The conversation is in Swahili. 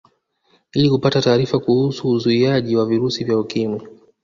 Ili kupata taarifa kuhusu uzuiaji wa virusi vya Ukimwi